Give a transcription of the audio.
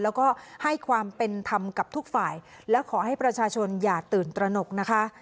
แล้วก็ให้ความเป็นธรรมกับทุกฝ่ายและขอให้ประชาชนอย่าตื่นตระหนกนะคะ